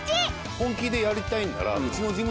本気でやりたいんなら。